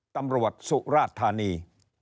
ตำรวจสุราธานี